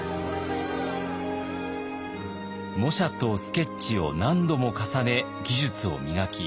模写とスケッチを何度も重ね技術を磨き